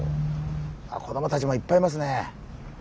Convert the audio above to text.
子どもたちもいっぱいいますね。